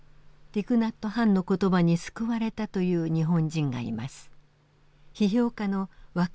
ティク・ナット・ハンの言葉に救われたという日本人がいます。